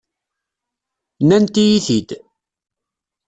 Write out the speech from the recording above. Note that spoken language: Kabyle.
Nnant-iyi-t-id.